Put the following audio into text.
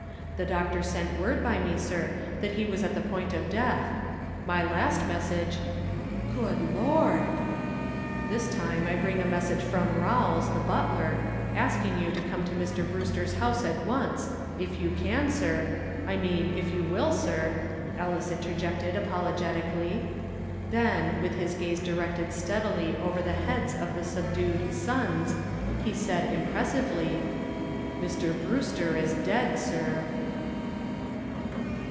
The doctor sent word by me, sir, that he was at the point of death. My last message " "Good Lord!" "This time I bring a message from Rawles, the butler, asking you to come to Mr. Brewster's house at once if you can, sir I mean, if you will, sir," Ellis interjected apologetically. Then, with his gaze directed steadily over the heads of the subdued "Sons," he added, impressively: "Mr. Brewster is dead, sir."